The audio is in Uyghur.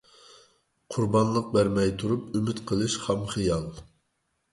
قۇربانلىق بەرمەي تۇرۇپ ئۈمىد قىلىش خام خىيال.